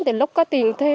thì lúc có tiền thuê